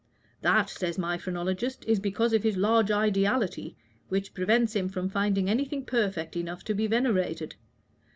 'That,' says my phrenologist, 'is because of his large ideality, which prevents him from finding anything perfect enough to be venerated.'